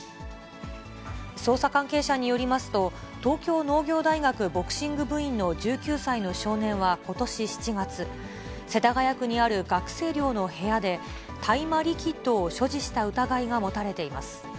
捜査関係者によりますと、東京農業大学ボクシング部員の１９歳の少年はことし７月、世田谷区にある学生寮の部屋で、大麻リキッドを所持した疑いが持たれています。